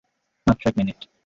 মাত্র এক মিনিট।